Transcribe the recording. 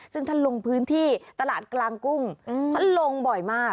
ซึ่งท่านลงพื้นที่ตลาดกลางกุ้งท่านลงบ่อยมาก